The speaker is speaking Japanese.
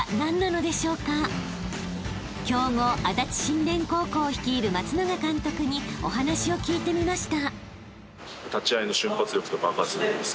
［強豪足立新田高校を率いる松永監督にお話を聞いてみました］